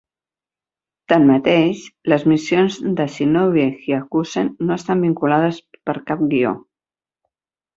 Tanmateix, les missions de "Shinobi Hyakusen" no estan vinculades per cap guió.